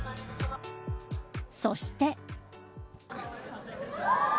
そして。